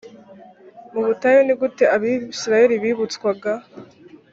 mu butayu ni gute abisirayeli bibutswaga